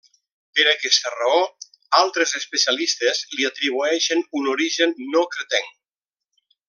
Per aquesta raó, altres especialistes li atribueixen un origen no cretenc.